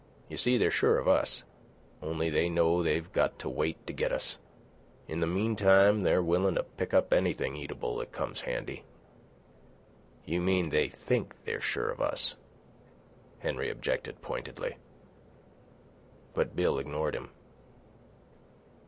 You see, they're sure of us, only they know they've got to wait to get us. In the meantime they're willin' to pick up anything eatable that comes handy." "You mean they think they're sure of us," Henry objected pointedly. But Bill ignored him.